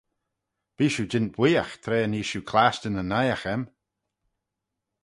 Bee shiu jeant bwooiagh tra nee shiu clashtyn y naight aym.